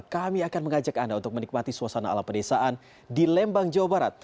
kami akan mengajak anda untuk menikmati suasana alam pedesaan di lembang jawa barat